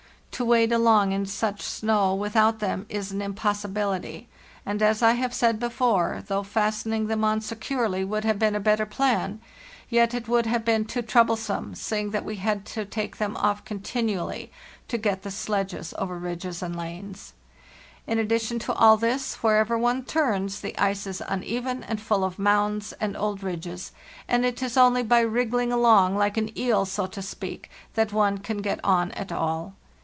To wade along in such snow without them is an impossibility, and, as I have said before, though fastening them on securely would have BY SLEDGE AND KAVAK 2 N eS been a better plan, yet it would have been too trouble some, seeing that we had to take them off continually to get the sledges over ridges and lanes. In addition to all this, wherever one turns, the ice is uneven and full of mounds and old ridges, and it is only by wriggling along like an eel, so to speak, that one can get on at all.